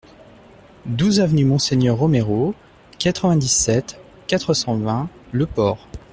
douze avenue Monseigneur Roméro, quatre-vingt-dix-sept, quatre cent vingt, Le Port